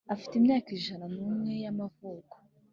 Afite imyaka ijana n umwe y amavuko